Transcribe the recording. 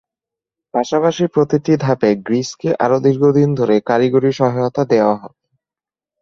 পাশাপাশি প্রতিটি ধাপে গ্রিসকে আরও দীর্ঘদিন ধরে কারিগরি সহায়তা দেওয়া হবে।